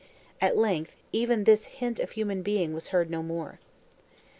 At length, even this hint of human being was heard no more.